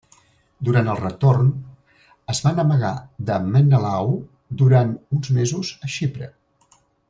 Durant el retorn, es van amagar de Menelau durant uns mesos a Xipre.